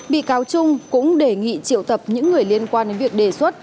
bị cáo trung cũng đề nghị triệu tập những người liên quan đến việc đề xuất